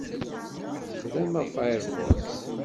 Ssexdameɣ Firefox.